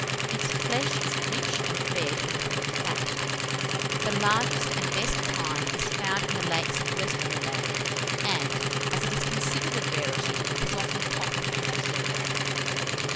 Its flesh is rich and red, and full of fat. The largest and best kind is found in the lakes of Westmoreland, and, as it is considered a rarity, it is often potted and preserved.